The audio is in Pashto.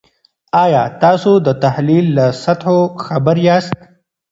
آیا تاسو د تحلیل له سطحو خبر یاست؟